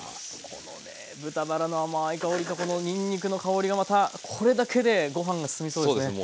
このね豚バラの甘い香りとこのにんにくの香りがまたこれだけでご飯が進みそうですね。